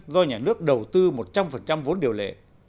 do nhà nước đầu tư một trăm linh vốn điều lệ